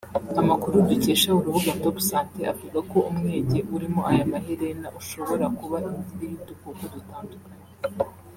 Amakuru dukesha urubuga Top Santé avuga ko umwenge urimo aya maherena ushobora kuba indiri y’udukoko dutandukanye